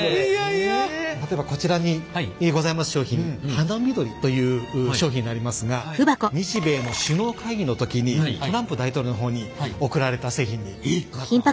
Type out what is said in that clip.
例えばこちらにございます商品「花見鳥」という商品になりますが日米の首脳会議の時にトランプ大統領の方に贈られた製品になっております。